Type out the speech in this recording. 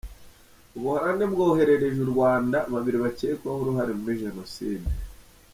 Ubuholandi bwoherereje u Rwanda babiri bakekwaho uruhare muri Jenoside.